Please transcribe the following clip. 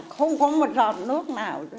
không có một giọt nước nào